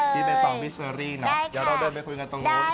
เดี๋ยวเราเดินไปคุยกันตรงนู้น